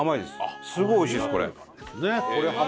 すごい美味しいですこれ。